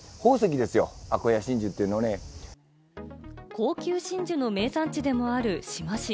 高級真珠の名産地でもある志摩市。